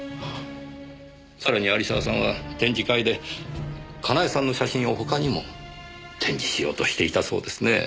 さらに有沢さんは展示会で佳苗さんの写真を他にも展示しようとしていたそうですねぇ。